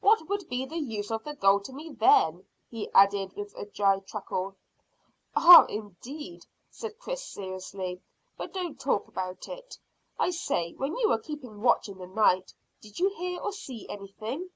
What would be the use of the gold to me then?" he added, with a dry chuckle. "Ah, what indeed?" said Chris seriously. "But don't talk about it. I say, when you were keeping watch in the night, did you hear or see anything?"